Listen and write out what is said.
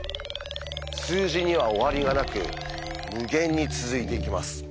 数字には終わりがなく無限に続いていきます。